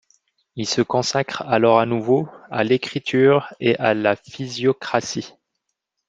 Il se consacre alors à nouveau à l'écriture et à la physiocratie.